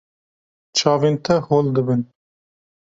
Çavên te hol dibin.